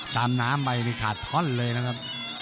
ตามน้ำไปมีขาดท้อนเลยนะครับ